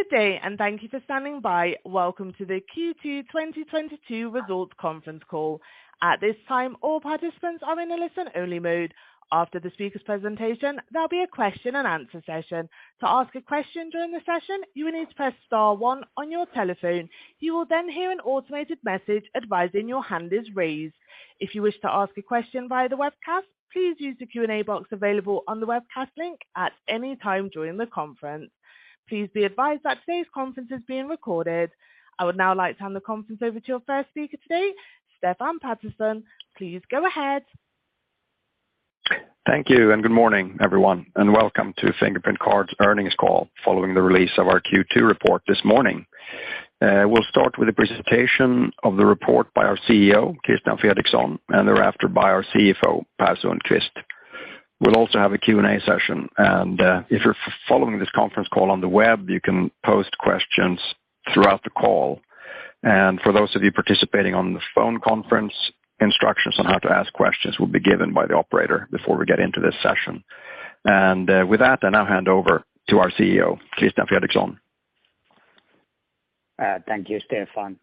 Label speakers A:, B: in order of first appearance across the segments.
A: Good day and thank you for standing by. Welcome to the Q2 2022 Results Conference Call. At this time, all participants are in a listen-only mode. After the speaker's presentation, there'll be a question-and-answer session. To ask a question during the session, you will need to press star one on your telephone. You will then hear an automated message advising your hand is raised. If you wish to ask a question via the webcast, please use the Q&A box available on the webcast link at any time during the conference. Please be advised that today's conference is being recorded. I would now like to hand the conference over to your first speaker today, Stefan Pettersson. Please go ahead.
B: Thank you and good morning, everyone, and welcome to Fingerprint Cards earnings call following the release of our Q2 report this morning. We'll start with a presentation of the report by our CEO, Christian Fredrikson, and thereafter by our CFO, Per Sundqvist. We'll also have a Q&A session. If you're following this conference call on the web, you can post questions throughout the call. For those of you participating on the phone conference, instructions on how to ask questions will be given by the operator before we get into this session. With that, I now hand over to our CEO, Christian Fredrikson.
C: Thank you, Stefan.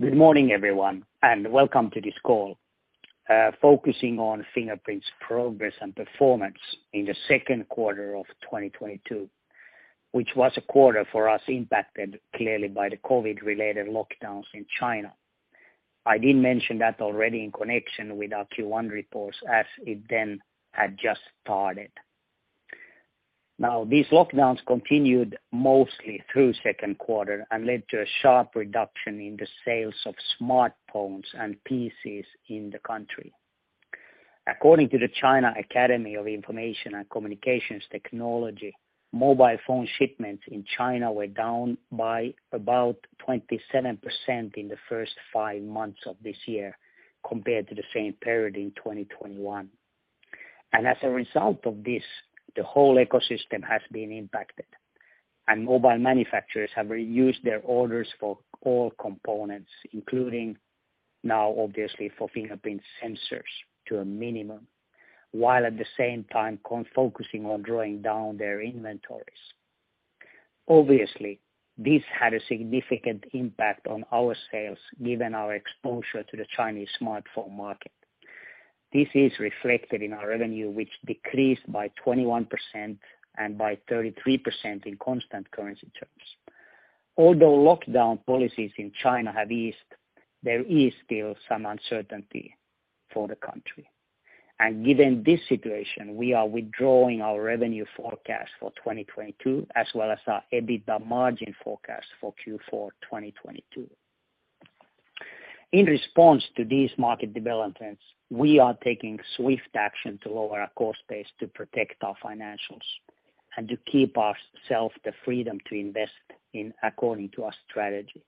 C: Good morning, everyone, and welcome to this call, focusing on Fingerprint's progress and performance in the second quarter of 2022, which was a quarter for us impacted clearly by the COVID-related lockdowns in China. I did mention that already in connection with our Q1 reports as it then had just started. Now, these lockdowns continued mostly through second quarter and led to a sharp reduction in the sales of smartphones and PCs in the country. According to the China Academy of Information and Communications Technology, mobile phone shipments in China were down by about 27% in the first five months of this year compared to the same period in 2021. As a result of this, the whole ecosystem has been impacted. Mobile manufacturers have reduced their orders for all components, including now, obviously, for Fingerprint sensors to a minimum, while at the same time focusing on drawing down their inventories. Obviously, this had a significant impact on our sales, given our exposure to the Chinese smartphone market. This is reflected in our revenue, which decreased by 21% and by 33% in constant currency terms. Although lockdown policies in China have eased, there is still some uncertainty for the country. Given this situation, we are withdrawing our revenue forecast for 2022, as well as our EBITDA margin forecast for Q4 2022. In response to these market developments, we are taking swift action to lower our cost base to protect our financials and to keep ourselves the freedom to invest in according to our strategy.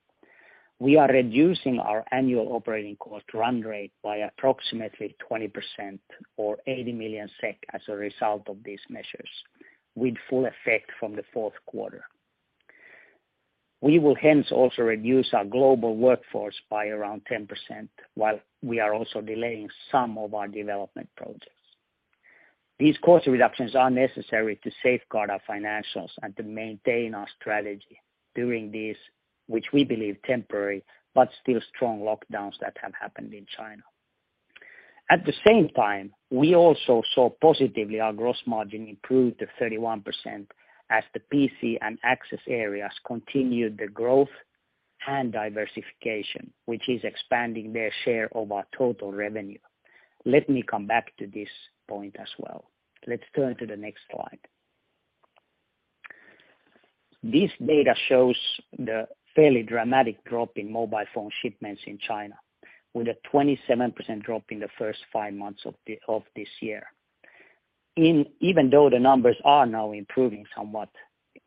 C: We are reducing our annual operating cost run rate by approximately 20% or 80 million SEK as a result of these measures with full effect from the fourth quarter. We will hence also reduce our global workforce by around 10% while we are also delaying some of our development projects. These cost reductions are necessary to safeguard our financials and to maintain our strategy during this, which we believe temporary, but still strong lockdowns that have happened in China. At the same time, we also saw positively our gross margin improved to 31% as the PC and access areas continued the growth and diversification, which is expanding their share of our total revenue. Let me come back to this point as well. Let's turn to the next slide. This data shows the fairly dramatic drop in mobile phone shipments in China with a 27% drop in the first five months of this year. Even though the numbers are now improving somewhat,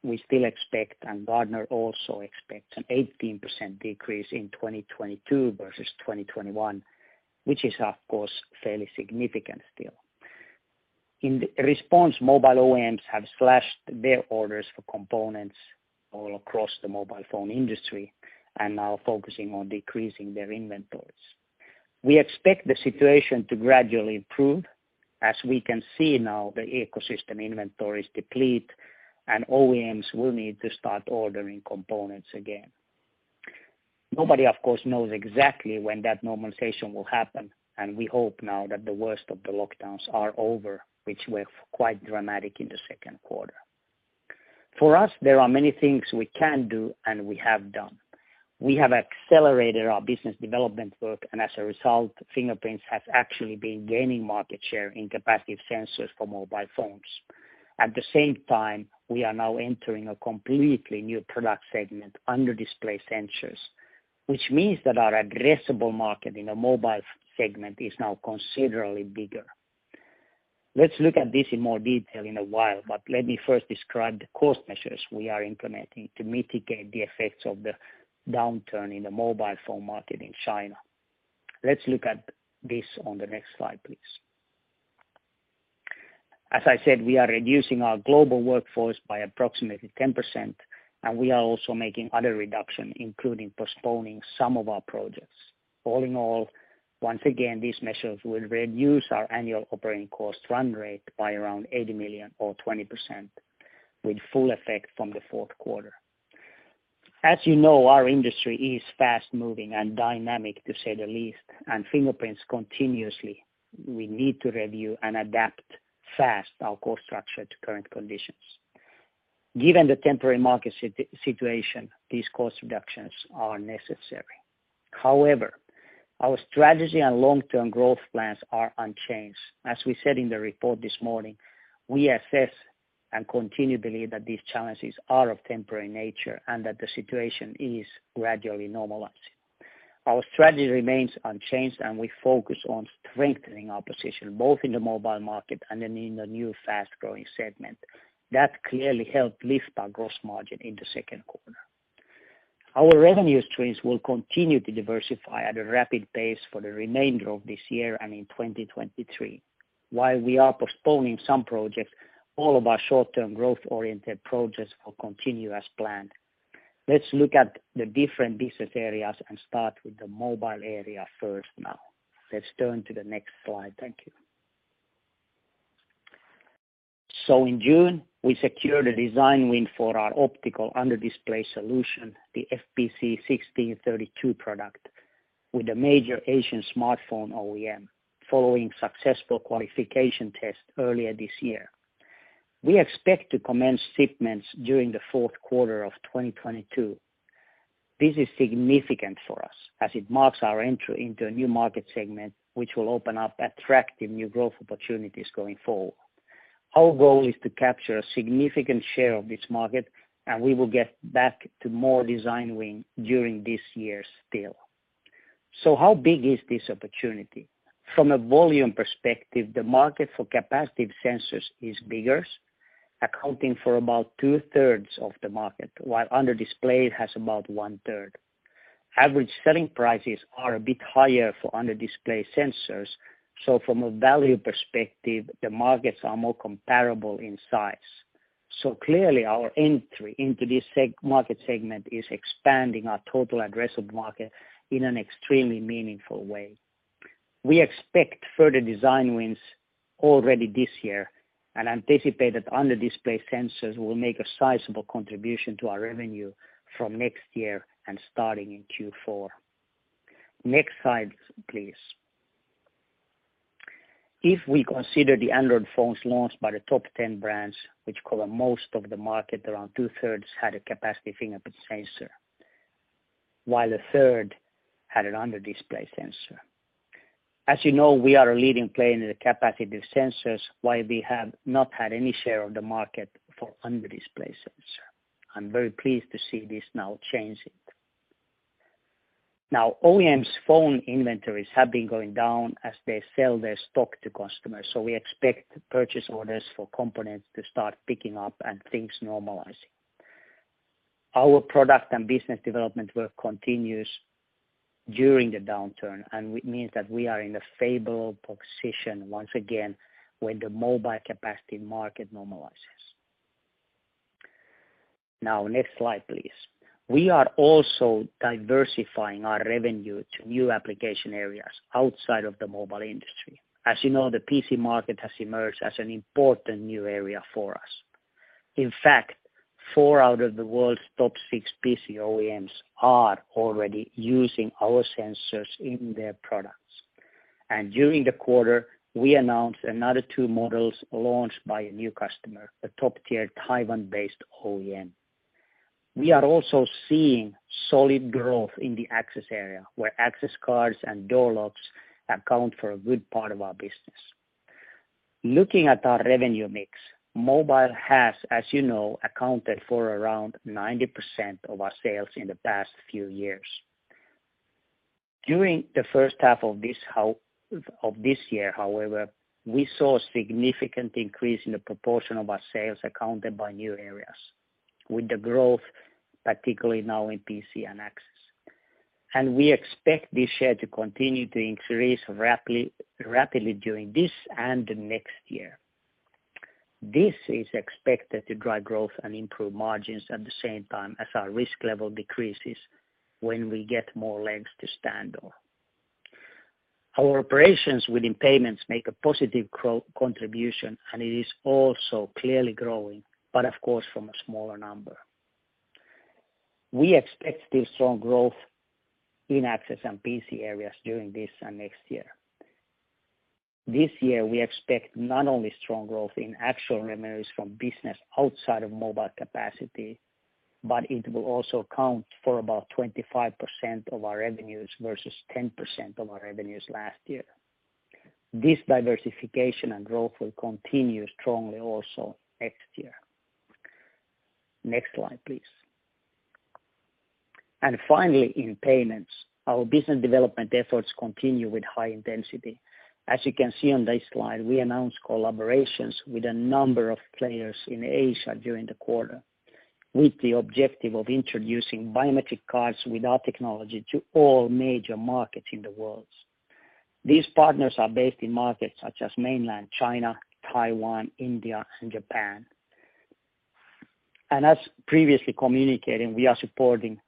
C: we still expect, and Gartner also expects, an 18% decrease in 2022 versus 2021, which is of course, fairly significant still. In response, mobile OEMs have slashed their orders for components all across the mobile phone industry and now focusing on decreasing their inventories. We expect the situation to gradually improve. As we can see now, the ecosystem inventory is depleted and OEMs will need to start ordering components again. Nobody, of course, knows exactly when that normalization will happen, and we hope now that the worst of the lockdowns are over, which were quite dramatic in the second quarter. For us, there are many things we can do and we have done. We have accelerated our business development work, and as a result, Fingerprints has actually been gaining market share in capacitive sensors for mobile phones. At the same time, we are now entering a completely new product segment, under-display sensors, which means that our addressable market in the mobile segment is now considerably bigger. Let's look at this in more detail in a while, but let me first describe the cost measures we are implementing to mitigate the effects of the downturn in the mobile phone market in China. Let's look at this on the next slide, please. As I said, we are reducing our global workforce by approximately 10%, and we are also making other reductions, including postponing some of our projects. All in all, once again, these measures will reduce our annual operating cost run rate by around 80 million or 20% with full effect from the fourth quarter. As you know, our industry is fast-moving and dynamic, to say the least, and Fingerprint continuously, we need to review and adapt fast our cost structure to current conditions. Given the temporary market situation, these cost reductions are necessary. However, our strategy and long-term growth plans are unchanged. As we said in the report this morning, we assess and continue to believe that these challenges are of temporary nature and that the situation is gradually normalizing. Our strategy remains unchanged and we focus on strengthening our position, both in the mobile market and in the new fast-growing segment. That clearly helped lift our gross margin in the second quarter. Our revenue streams will continue to diversify at a rapid pace for the remainder of this year and in 2023. While we are postponing some projects, all of our short-term growth-oriented projects will continue as planned. Let's look at the different business areas and start with the mobile area first now. Let's turn to the next slide. Thank you. In June, we secured a design win for our optical under-display solution, the FPC1632 product, with a major Asian smartphone OEM following successful qualification test earlier this year. We expect to commence shipments during the fourth quarter of 2022. This is significant for us as it marks our entry into a new market segment, which will open up attractive new growth opportunities going forward. Our goal is to capture a significant share of this market, and we will get back to more design win during this year still. How big is this opportunity? From a volume perspective, the market for capacitive sensors is biggest, accounting for about 2/3 of the market, while under-display has about 1/3. Average selling prices are a bit higher for under-display sensors, so from a value perspective, the markets are more comparable in size. Clearly our entry into this market segment is expanding our total addressable market in an extremely meaningful way. We expect further design wins already this year and anticipate that under-display sensors will make a sizable contribution to our revenue from next year and starting in Q4. Next slide, please. If we consider the Android phones launched by the top 10 brands, which cover most of the market, around 2/3 had a capacitive fingerprint sensor, while 1/3 had an under-display sensor. As you know, we are a leading player in the capacitive sensors, while we have not had any share of the market for under-display sensor. I'm very pleased to see this now changing. Now, OEM's phone inventories have been going down as they sell their stock to customers, so we expect purchase orders for components to start picking up and things normalizing. Our product and business development work continues during the downturn, and it means that we are in a favorable position once again when the mobile capacitive market normalizes. Now, next slide, please. We are also diversifying our revenue to new application areas outside of the mobile industry. As you know, the PC market has emerged as an important new area for us. In fact, four out of the world's top six PC OEMs are already using our sensors in their products. During the quarter, we announced another two models launched by a new customer, a top-tier Taiwan-based OEM. We are also seeing solid growth in the access area, where access cards and door locks account for a good part of our business. Looking at our revenue mix, mobile has, as you know, accounted for around 90% of our sales in the past few years. During the first half of this year, however, we saw a significant increase in the proportion of our sales accounted by new areas, with the growth, particularly now in PC and access. We expect this share to continue to increase rapidly during this and next year. This is expected to drive growth and improve margins at the same time as our risk level decreases when we get more legs to stand on. Our operations within payments make a positive contribution, and it is also clearly growing, but of course, from a smaller number. We expect this strong growth in access and PC areas during this and next year. This year, we expect not only strong growth in actual revenues from business outside of mobile capacity, but it will also account for about 25% of our revenues versus 10% of our revenues last year. This diversification and growth will continue strongly also next year. Next slide, please. Finally, in payments, our business development efforts continue with high intensity. As you can see on this slide, we announced collaborations with a number of players in Asia during the quarter, with the objective of introducing biometric cards with our technology to all major markets in the world. These partners are based in markets such as Mainland China, Taiwan, India, and Japan. As previously communicated, we are supporting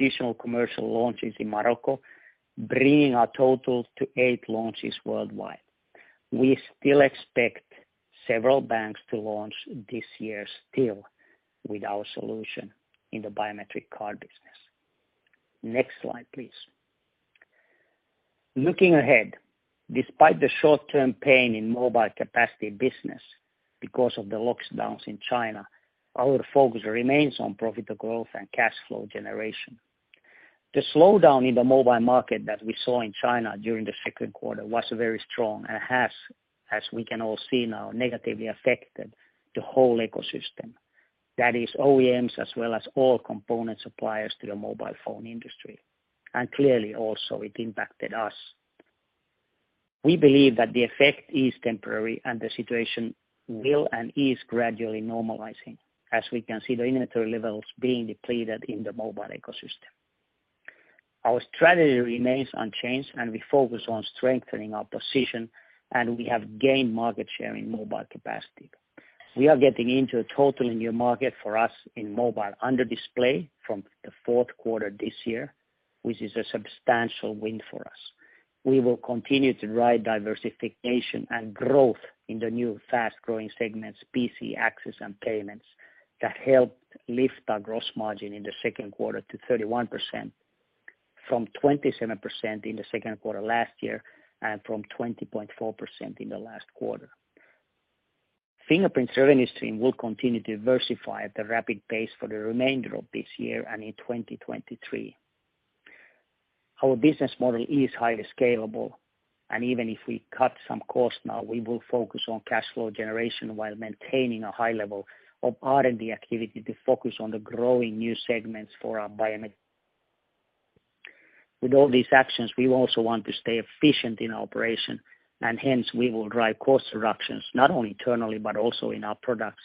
C: additional commercial launches in Morocco, bringing our total to eight launches worldwide. We still expect several banks to launch this year still with our solution in the biometric card business. Next slide, please. Looking ahead, despite the short-term pain in mobile capacitive business because of the lockdowns in China, our focus remains on profitable growth and cash flow generation. The slowdown in the mobile market that we saw in China during the second quarter was very strong and has, as we can all see now, negatively affected the whole ecosystem. That is OEMs as well as all component suppliers to the mobile phone industry. Clearly also it impacted us. We believe that the effect is temporary and the situation will and is gradually normalizing as we can see the inventory levels being depleted in the mobile ecosystem. Our strategy remains unchanged and we focus on strengthening our position, and we have gained market share in mobile capacitive. We are getting into a totally new market for us in mobile under-display from the fourth quarter this year, which is a substantial win for us. We will continue to drive diversification and growth in the new fast-growing segments, PC, access, and payments, that helped lift our gross margin in the second quarter to 31% from 27% in the second quarter last year and from 20.4% in the last quarter. Fingerprint's revenue stream will continue to diversify at a rapid pace for the remainder of this year and in 2023. Our business model is highly scalable, and even if we cut some costs now, we will focus on cash flow generation while maintaining a high level of R&D activity to focus on the growing new segments for our biometric. With all these actions, we also want to stay efficient in operation, and hence we will drive cost reductions, not only internally, but also in our products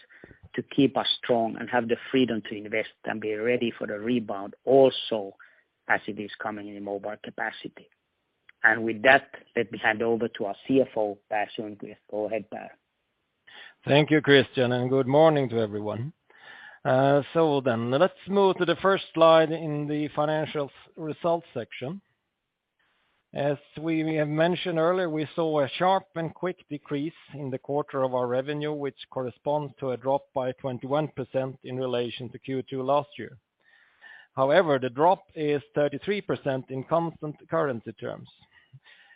C: to keep us strong and have the freedom to invest and be ready for the rebound also as it is coming in mobile capacitive. With that, let me hand over to our CFO, Per Sundqvist. Go ahead, Per.
D: Thank you, Christian, and good morning to everyone. Let's move to the first slide in the financial results section. As we have mentioned earlier, we saw a sharp and quick decrease in the quarter of our revenue, which corresponds to a drop by 21% in relation to Q2 last year. However, the drop is 33% in constant currency terms.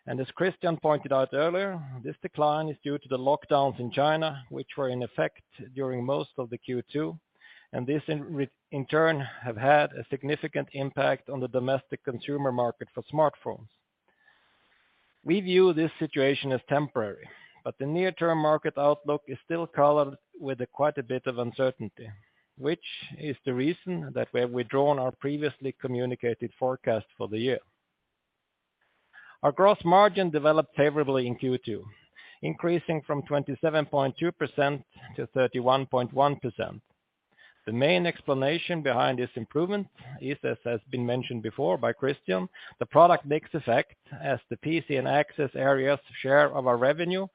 D: As Christian pointed out earlier, this decline is due to the lockdowns in China, which were in effect during most of the Q2, and this in turn have had a significant impact on the domestic consumer market for smartphones. We view this situation as temporary, but the near term market outlook is still colored with quite a bit of uncertainty, which is the reason that we have withdrawn our previously communicated forecast for the year. Our gross margin developed favorably in Q2, increasing from 27.2% to 31.1%. The main explanation behind this improvement is, as has been mentioned before by Christian, the product mix effect as the PC and access areas' share of our revenue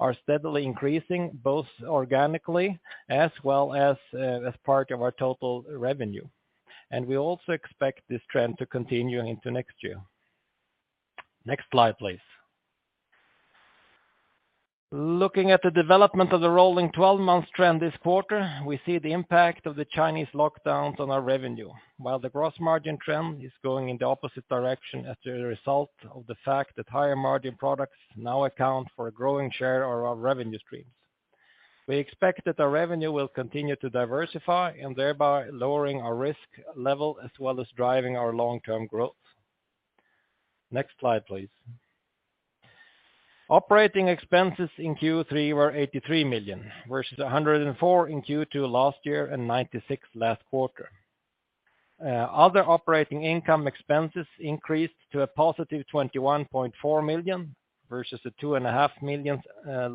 D: are steadily increasing, both organically as well as as part of our total revenue. We also expect this trend to continue into next year. Next slide, please. Looking at the development of the rolling 12 months trend this quarter, we see the impact of the Chinese lockdowns on our revenue, while the gross margin trend is going in the opposite direction as a result of the fact that higher margin products now account for a growing share of our revenue streams. We expect that the revenue will continue to diversify and thereby lowering our risk level as well as driving our long-term growth. Next slide, please. Operating expenses in Q3 were 83 million, versus 104 million in Q2 last year and 96 million last quarter. Other operating income expenses increased to a +21.4 million versus a 2.5 million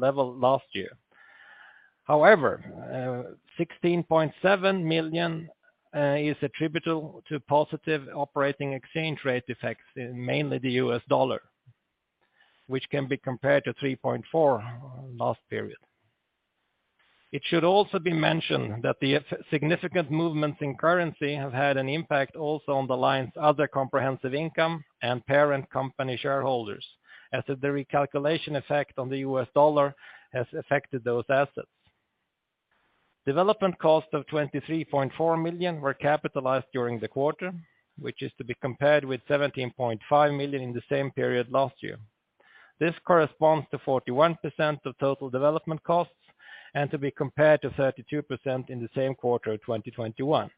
D: level last year. However, 16.7 million is attributable to positive operating exchange rate effects in mainly the U.S. dollar, which can be compared to 3.4 million last period. It should also be mentioned that significant movements in currency have had an impact also on the line's other comprehensive income and parent company shareholders, as the recalculation effect on the U.S. dollar has affected those assets. Development costs of 23.4 million were capitalized during the quarter, which is to be compared with 17.5 million in the same period last year. This corresponds to 41% of total development costs and to be compared to 32% in the same quarter of 2021.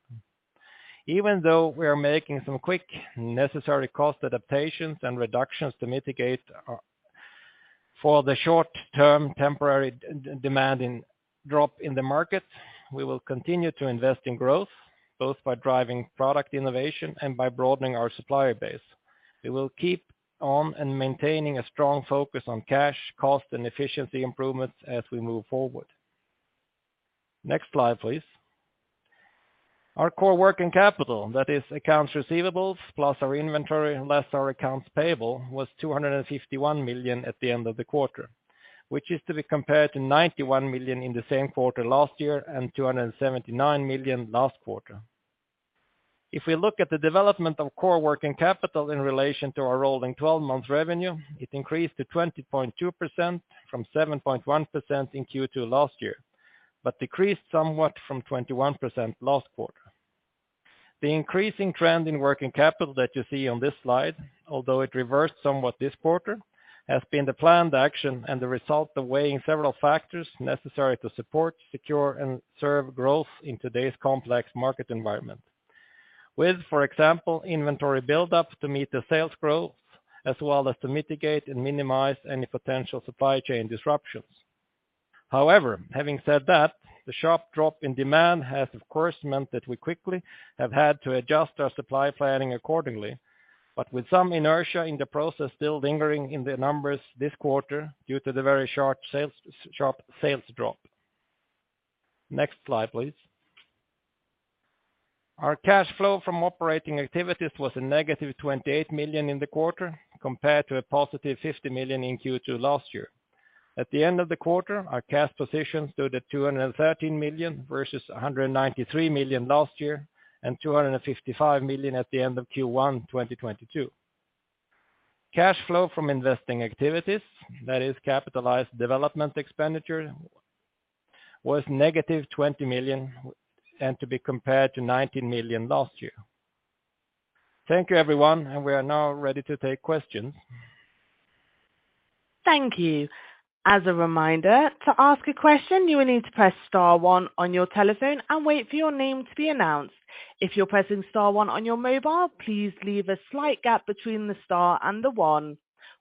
D: Even though we are making some quick necessary cost adaptations and reductions to mitigate for the short-term temporary demanding drop in the market, we will continue to invest in growth, both by driving product innovation and by broadening our supplier base. We will keep on maintaining a strong focus on cash, cost, and efficiency improvements as we move forward. Next slide, please. Our core working capital, that is accounts receivables plus our inventory, less our accounts payable, was 251 million at the end of the quarter, which is to be compared to 91 million in the same quarter last year and 279 million last quarter. If we look at the development of core working capital in relation to our rolling 12-month revenue, it increased to 20.2% from 7.1% in Q2 last year, but decreased somewhat from 21% last quarter. The increasing trend in working capital that you see on this slide, although it reversed somewhat this quarter, has been the planned action and the result of weighing several factors necessary to support, secure, and serve growth in today's complex market environment. With, for example, inventory build-ups to meet the sales growth, as well as to mitigate and minimize any potential supply chain disruptions. However, having said that, the sharp drop in demand has, of course, meant that we quickly have had to adjust our supply planning accordingly, but with some inertia in the process still lingering in the numbers this quarter due to the very sharp sales drop. Next slide, please. Our cash flow from operating activities was a -28 million in the quarter, compared to a +50 million in Q2 last year. At the end of the quarter, our cash position stood at 213 million versus 193 million last year and 255 million at the end of Q1 2022. Cash flow from investing activities, that is capitalized development expenditure, was -20 million and to be compared to 19 million last year. Thank you, everyone, and we are now ready to take questions.
A: Thank you. As a reminder, to ask a question, you will need to press star one on your telephone and wait for your name to be announced. If you're pressing star one on your mobile, please leave a slight gap between the star and the one.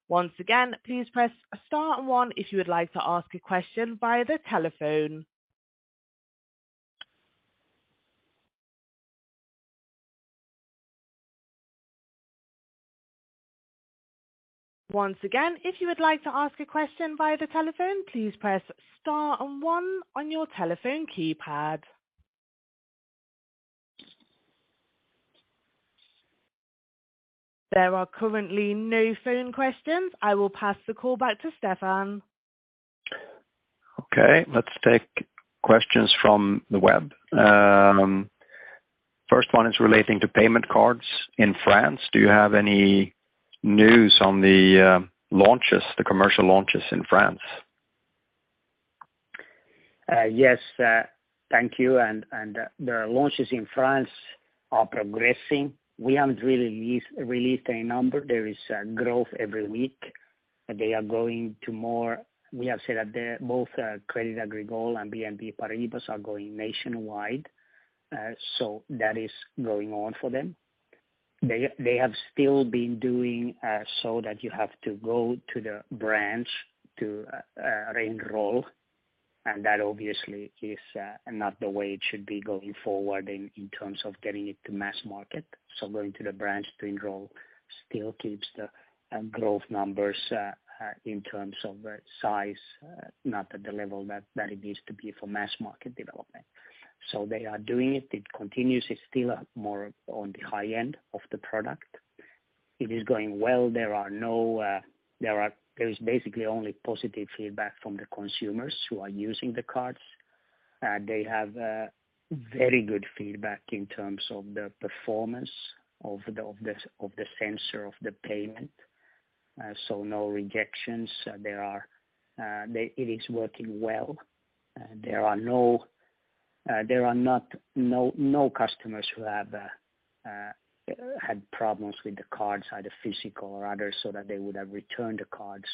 A: Once again, please press star and one if you would like to ask a question via the telephone. Once again, if you would like to ask a question via the telephone, please press star and one on your telephone keypad. There are currently no phone questions. I will pass the call back to Stefan.
B: Okay, let's take questions from the web. First one is relating to payment cards in France. Do you have any news on the launches, the commercial launches in France?
C: Yes, thank you. The launches in France are progressing. We haven't really released a number. There is growth every week. They are going to more. We have said that both Crédit Agricole and BNP Paribas are going nationwide. That is going on for them. They have still been doing so that you have to go to the branch to re-enroll, and that obviously is not the way it should be going forward in terms of getting it to mass market. Going to the branch to enroll still keeps the growth numbers in terms of size not at the level that it needs to be for mass market development. They are doing it. It continues. It's still more on the high end of the product. It is going well. There is basically only positive feedback from the consumers who are using the cards. They have very good feedback in terms of the performance of the sensor, of the payment. So no rejections. It is working well. There are no customers who have had problems with the cards, either physical or other, so that they would have returned the cards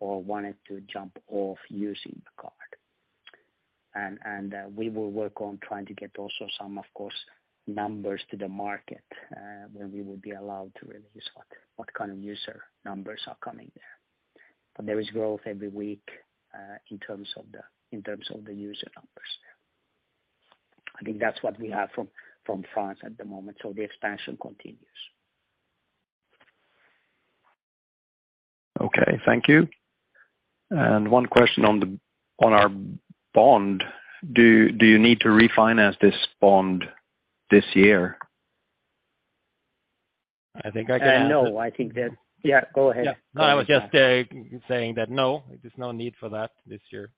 C: or wanted to jump off using the card. We will work on trying to get also some, of course, numbers to the market, when we will be allowed to release what kind of user numbers are coming there. There is growth every week in terms of the user numbers there. I think that's what we have from France at the moment. The expansion continues.
B: Okay. Thank you. One question on our bond. Do you need to refinance this bond this year?
D: I think I can.
C: No, I think that. Yeah, go ahead.
D: Yeah. No, I was just saying that, no, there's no need for that this year.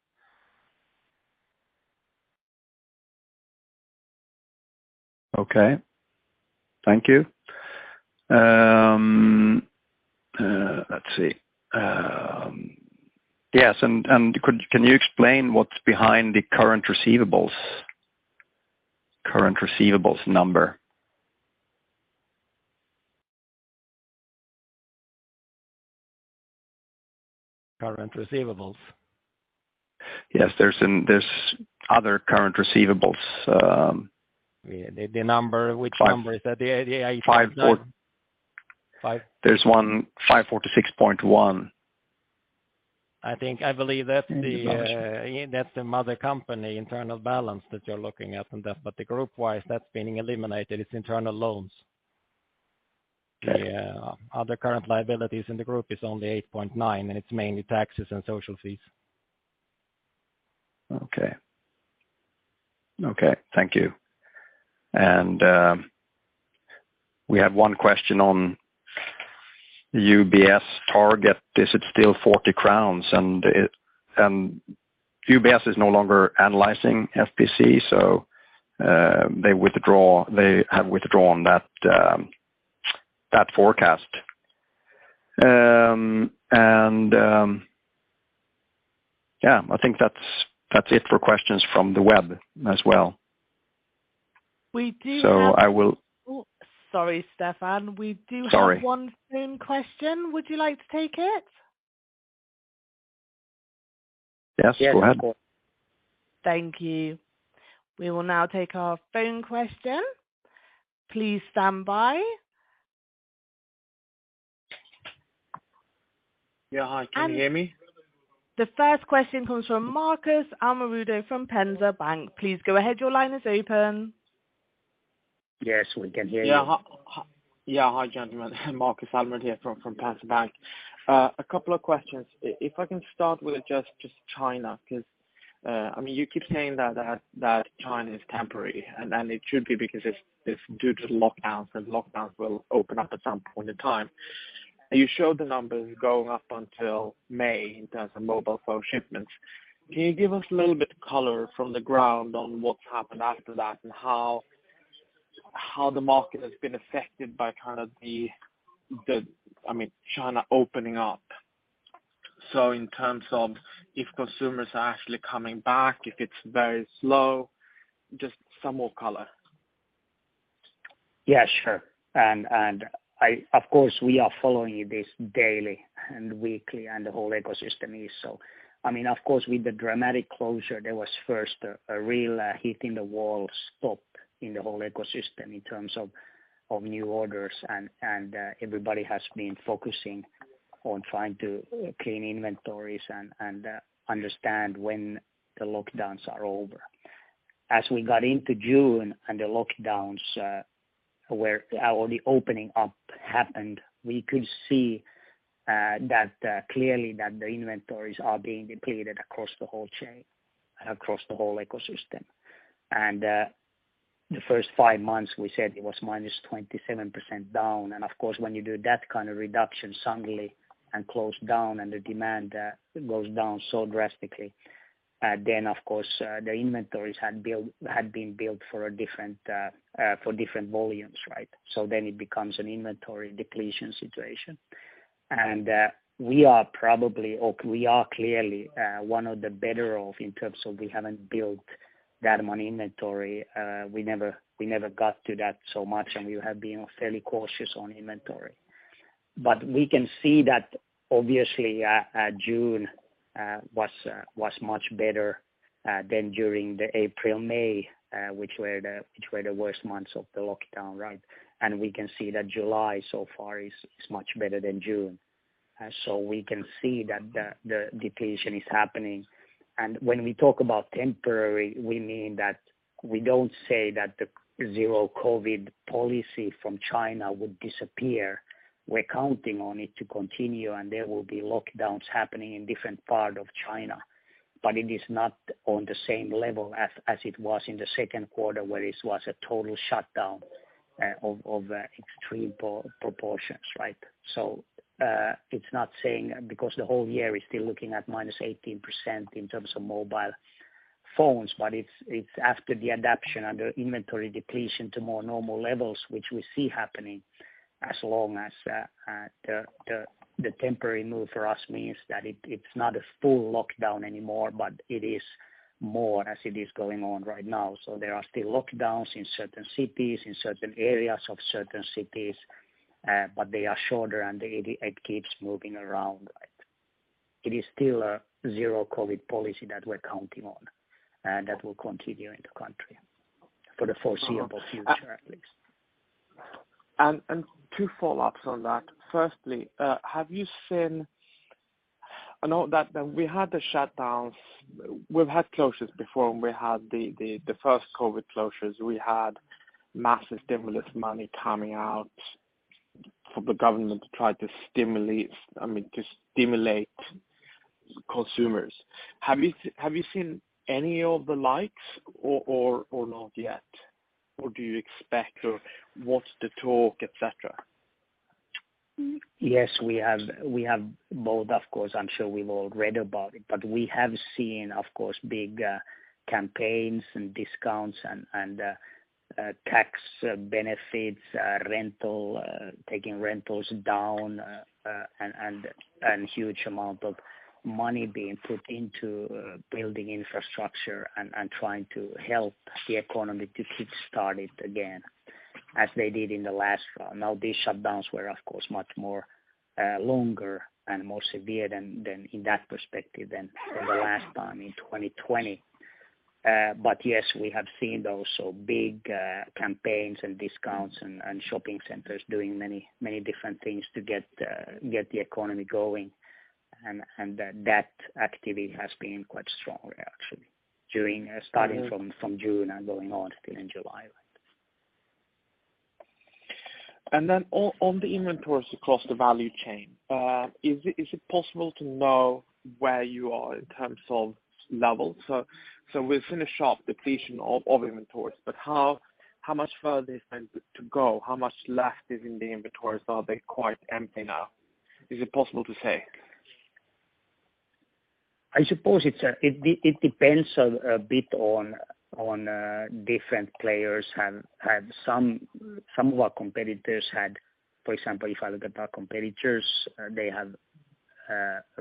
B: Okay. Thank you. Yes, and can you explain what's behind the current receivables number?
C: Current receivables?
B: Yes, there's other current receivables.
C: Yeah, the number, which number is that?
B: Five, four-
C: Five.
B: There's 1,546.1 million.
C: I believe that's the.
D: In disclosure. That's the parent company internal balance that you're looking at on that. The group-wise, that's being eliminated, its internal loans. The other current liabilities in the group is only 8.9 million, and it's mainly taxes and social fees.
B: Okay. Thank you. We had one question on UBS target. Is it still 40 crowns? UBS is no longer analyzing FPC, so they have withdrawn that forecast. Yeah, I think that's it for questions from the web as well.
A: We do have.
B: I will.
A: Oh, sorry, Stefan. We do have.
B: Sorry.
A: One phone question. Would you like to take it?
B: Yes, go ahead.
A: Thank you. We will now take our phone question. Please stand by. Yeah. Hi, can you hear me? The first question comes from Markus Almerud from Penser Bank. Please go ahead. Your line is open.
C: Yes, we can hear you.
E: Yeah. Hi, gentlemen, Markus Almerud here from Penser Bank. A couple of questions. If I can start with just China, because I mean, you keep saying that China is temporary, and it should be because it's due to lockdowns, and lockdowns will open up at some point in time. You show the numbers going up until May in terms of mobile phone shipments. Can you give us a little bit color from the ground on what's happened after that and how the market has been affected by kind of the I mean, China opening up? In terms of if consumers are actually coming back, if it's very slow, just some more color.
C: Yeah, sure. Of course, we are following this daily and weekly, and the whole ecosystem is so. I mean, of course, with the dramatic closure, there was first a real hitting the wall stop in the whole ecosystem in terms of new orders and everybody has been focusing on trying to clean inventories and understand when the lockdowns are over. As we got into June and the lockdowns or the opening up happened, we could see that clearly that the inventories are being depleted across the whole chain, across the whole ecosystem. The first five months, we said it was -27% down. Of course, when you do that kind of reduction suddenly and close down and the demand goes down so drastically, then of course, the inventories had been built for different volumes, right? It becomes an inventory depletion situation. We are probably or we are clearly one of the better off in terms of we haven't built that much inventory. We never got to that so much, and we have been fairly cautious on inventory. We can see that obviously June was much better than during the April, May, which were the worst months of the lockdown, right? We can see that July so far is much better than June. We can see that the depletion is happening. When we talk about temporary, we mean that we don't say that the zero-COVID policy from China would disappear. We're counting on it to continue, and there will be lockdowns happening in different parts of China. It is not on the same level as it was in the second quarter, where it was a total shutdown of extreme proportions. It's not saying because the whole year is still looking at -18% in terms of mobile phones, but it's after the adaptation and the inventory depletion to more normal levels, which we see happening as long as the temporary move for us means that it's not a full lockdown anymore, but it is more as it is going on right now. There are still lockdowns in certain cities, in certain areas of certain cities, but they are shorter and it keeps moving around. It is still a zero-COVID policy that we're counting on, that will continue in the country for the foreseeable future at least.
E: Two follow-ups on that. Firstly, have you seen? I know that when we had the shutdowns, we've had closures before, when we had the first COVID closures, we had massive stimulus money coming out for the government to try to stimulate, I mean, to stimulate consumers. Have you seen any of the likes or not yet? Or do you expect, or what's the talk, et cetera?
C: Yes, we have. We have both, of course. I'm sure we've all read about it. We have seen, of course, big campaigns and discounts and tax benefits, rental taking rentals down, and huge amount of money being put into building infrastructure and trying to help the economy to kickstart it again, as they did in the last round. Now, these shutdowns were, of course, much more longer and more severe than in that perspective than from the last time in 2020. Yes, we have seen those so big campaigns and discounts and shopping centers doing many different things to get the economy going. That activity has been quite strong actually. During starting from June and going on in July.
E: On the inventories across the value chain, is it possible to know where you are in terms of levels? We've finished sharp depletion of inventories, but how much further is meant to go? How much left is in the inventories? Are they quite empty now? Is it possible to say?
C: I suppose it's. It depends a bit on different players. Some of our competitors had. For example, if I look at our competitors, they have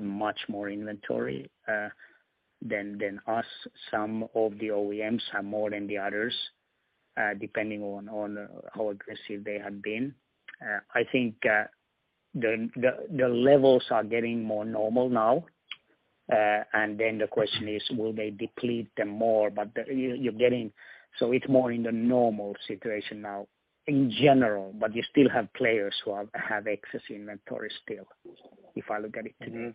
C: much more inventory than us. Some of the OEMs have more than the others, depending on how aggressive they have been. I think the levels are getting more normal now. Then the question is, will they deplete them more. It's more in the normal situation now in general, but you still have players who have excess inventory still, if I look at it today.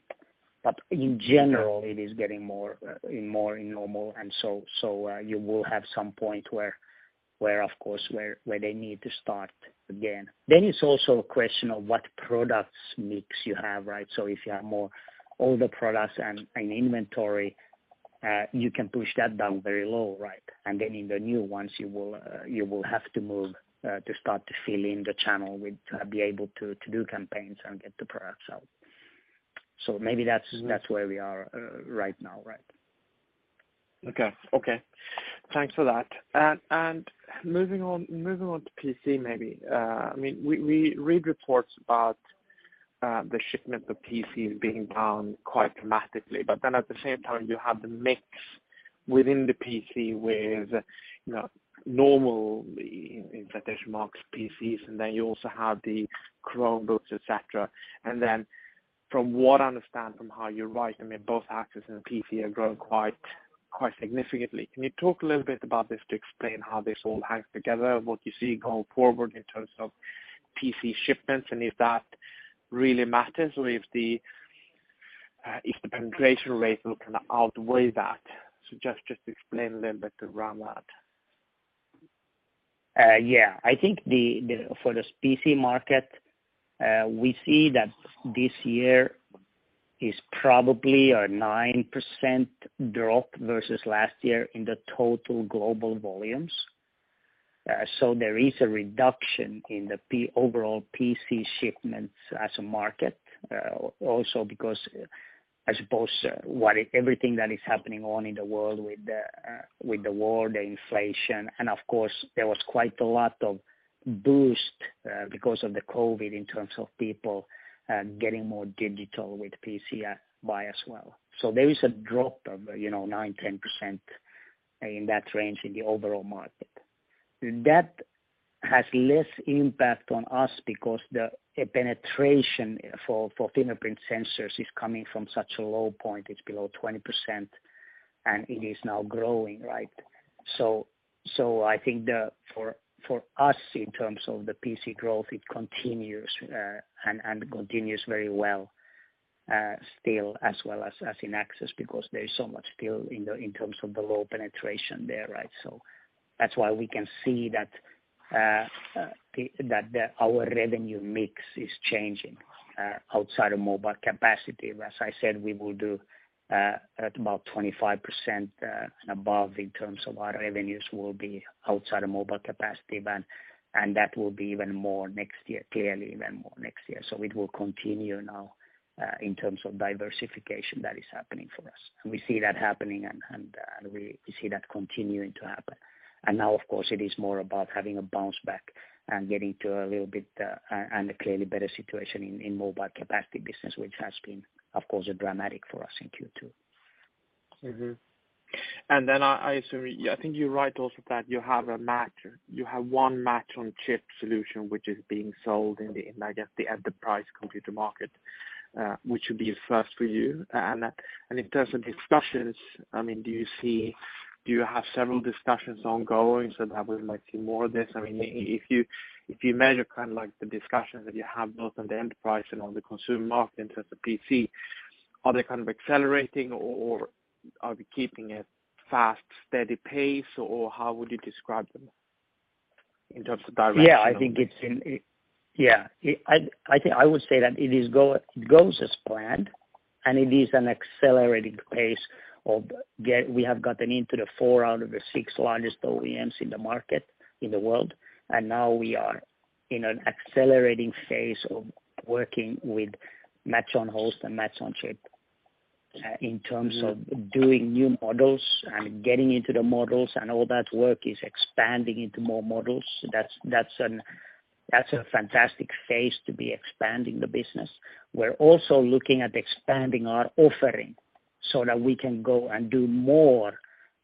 C: In general, it is getting more normal. You will have some point where of course they need to start again. It's also a question of what product mix you have, right? If you have more older products and inventory, you can push that down very low, right? In the new ones, you will have to move to start to fill in the channel with, to be able to do campaigns and get the products out. Maybe that's.
E: Mm-hmm.
C: That's where we are, right now, right.
E: Okay. Thanks for that. Moving on to PC maybe. I mean, we read reports about the shipment of PCs being down quite dramatically. Then at the same time you have the mix within the PC with, you know, normal, in quotation marks, "PCs," and then you also have the Chromebooks, et cetera. Then from what I understand, right? I mean, both Access and PC are growing quite significantly. Can you talk a little bit about this to explain how this all hangs together, what you see going forward in terms of PC shipments, and if that really matters? If the penetration rates will kind of outweigh that. Just explain a little bit around that.
C: Yeah. I think for this PC market, we see that this year is probably a 9% drop versus last year in the total global volumes. There is a reduction in the overall PC shipments as a market. Also because I suppose what everything that is happening in the world with the war, the inflation, and of course there was quite a lot of boost because of the COVID in terms of people getting more digital with PC buy as well. There is a drop of, you know, 9%-10% in that range in the overall market. That has less impact on us because the penetration for fingerprint sensors is coming from such a low point. It's below 20% and it is now growing, right? I think the... For us in terms of the PC growth, it continues very well, still as well as in access because there is so much still in terms of the low penetration there, right? That's why we can see that our revenue mix is changing outside of mobile capacitive. As I said, we will do at about 25% and above in terms of our revenues will be outside of mobile capacitive. That will be even more next year, clearly even more next year. It will continue now in terms of diversification that is happening for us. We see that happening and we see that continuing to happen. Now of course it is more about having a bounce back and getting to a little bit, and a clearly better situation in mobile capacity business, which has been, of course, dramatic for us in Q2.
E: I assume, yeah, I think you're right also that you have a match-on-chip solution which is being sold in the enterprise computer market, I guess, which would be a first for you. In terms of discussions, I mean, do you see? Do you have several discussions ongoing so that we might see more of this? I mean, if you measure kind of like the discussions that you have both on the enterprise and on the consumer market in terms of PC, are they kind of accelerating or are we keeping a fast, steady pace, or how would you describe them in terms of direction of?
C: I think I would say that it goes as planned, and it is an accelerating pace. We have gotten into the four out of the six largest OEMs in the market in the world, and now we are in an accelerating phase of working with match-on-host and match-on-chip in terms of doing new models and getting into the models and all that work is expanding into more models. That's a fantastic phase to be expanding the business. We're also looking at expanding our offering so that we can go and do more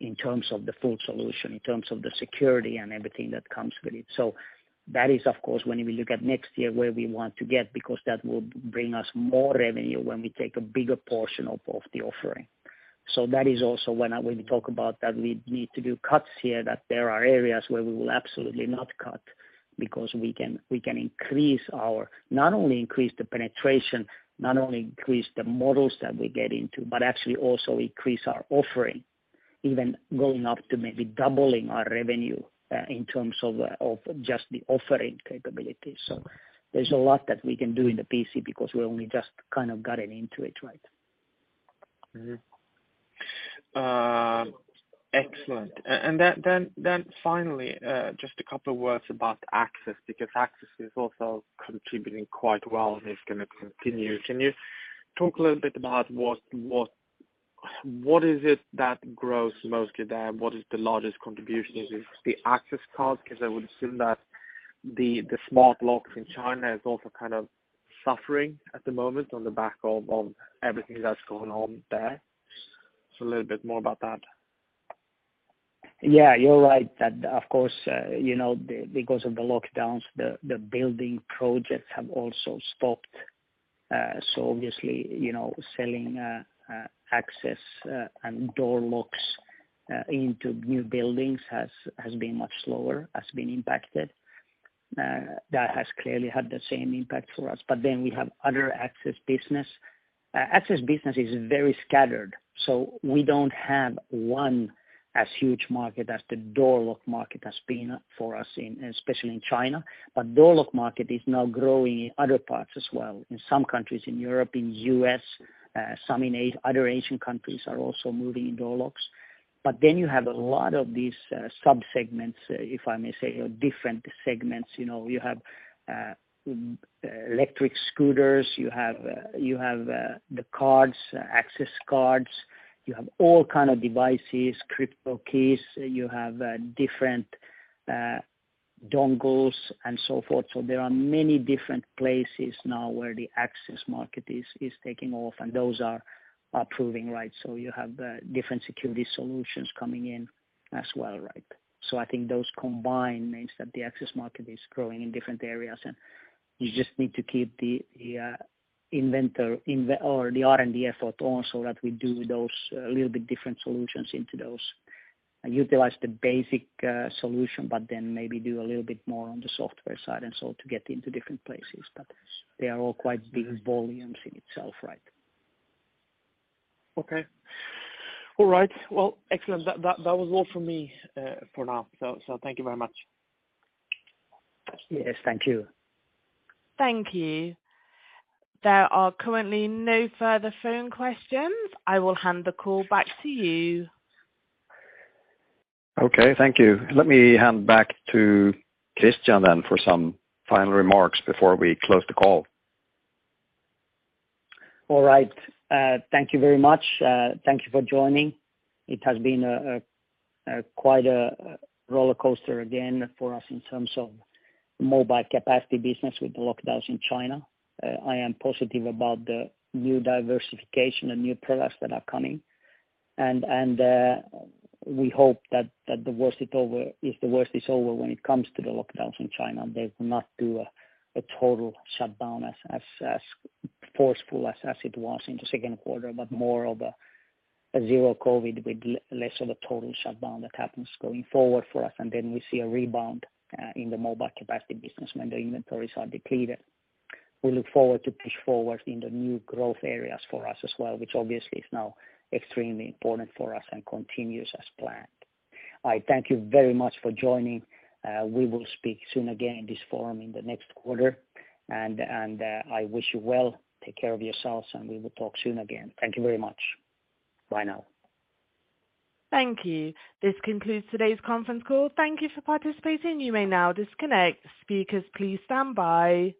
C: in terms of the full solution, in terms of the security and everything that comes with it. That is of course when we look at next year, where we want to get, because that will bring us more revenue when we take a bigger portion of the offering. That is also when we talk about that we need to do cuts here, that there are areas where we will absolutely not cut because we can increase our not only the penetration, not only the models that we get into, but actually also increase our offering, even going up to maybe doubling our revenue in terms of just the offering capabilities. There's a lot that we can do in the PC because we only just kind of got into it, right?
E: Excellent. Finally, just a couple of words about access, because access is also contributing quite well and it's gonna continue. Can you talk a little bit about what is it that grows mostly there? What is the largest contribution? Is it the access card? Because I would assume that the smart locks in China is also kind of suffering at the moment on the back of everything that's going on there. A little bit more about that.
C: Yeah, you're right that of course, you know, because of the lockdowns, the building projects have also stopped. Obviously, you know, selling access and door locks into new buildings has been much slower, has been impacted. That has clearly had the same impact for us. We have other access business. Access business is very scattered, so we don't have one as huge a market as the door lock market has been for us, especially in China. Door lock market is now growing in other parts as well. In some countries in Europe, in U.S., some in other Asian countries are also moving into door locks. You have a lot of these sub-segments, if I may say, or different segments. You know, you have electric scooters, you have the cards, access cards, you have all kind of devices, crypto keys, you have different dongles and so forth. There are many different places now where the access market is taking off and those are proving right. You have different security solutions coming in as well, right? I think those combined means that the access market is growing in different areas and you just need to keep the R&D effort on so that we do those a little bit different solutions into those. Utilize the basic solution, but then maybe do a little bit more on the software side and so to get into different places. But they are all quite big volumes in itself, right?
E: Okay. All right. Well, excellent. That was all for me, for now. Thank you very much.
C: Yes, thank you.
A: Thank you. There are currently no further phone questions. I will hand the call back to you.
B: Okay, thank you. Let me hand back to Christian then for some final remarks before we close the call.
C: All right. Thank you very much. Thank you for joining. It has been quite a rollercoaster again for us in terms of mobile capacity business with the lockdowns in China. I am positive about the new diversification and new products that are coming. We hope that the worst is over, if the worst is over when it comes to the lockdowns in China. They will not do a total shutdown as forceful as it was in the second quarter, but more of a zero-COVID with less of a total shutdown that happens going forward for us. Then we see a rebound in the mobile capacity business when the inventories are depleted. We look forward to push forward in the new growth areas for us as well, which obviously is now extremely important for us and continues as planned. I thank you very much for joining. We will speak soon again in this forum in the next quarter. I wish you well. Take care of yourselves, and we will talk soon again. Thank you very much. Bye now.
A: Thank you. This concludes today's conference call. Thank you for participating. You may now disconnect. Speakers, please stand by.